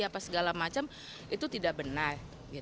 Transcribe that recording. apa segala macam itu tidak benar